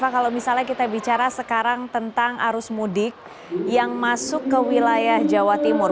kalau misalnya kita bicara sekarang tentang arus mudik yang masuk ke wilayah jawa timur